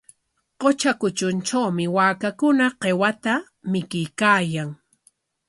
Qutra kutruntrawmi waakakuna qiwata mikuykaayan.